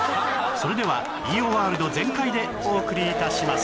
それでは飯尾ワールド全開でお送りいたします